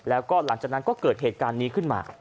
แล้วก็หลังจากนั้นก็เกิดเหตุการณ์นี้ขึ้นมา